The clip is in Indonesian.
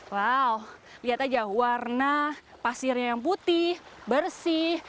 wow lihat aja warna pasirnya yang putih bersih